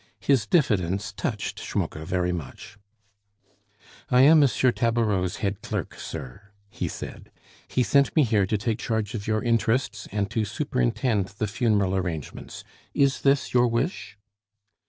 His diffidence touched Schmucke very much. "I am M. Tabareau's head clerk, sir," he said; "he sent me here to take charge of your interests, and to superintend the funeral arrangements. Is this your wish?"